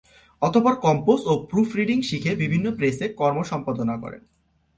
অতপর কম্পোজ ও proof reading শিখে বিভিন্ন প্রেসে কর্ম সম্পাদনা করেন।